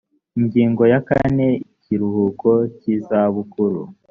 ingingo ya kane ikiruhuko cy’izabukuru